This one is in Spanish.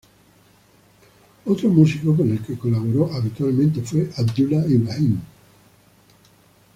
Otro músico con el que colaboró habitualmente fue Abdullah Ibrahim.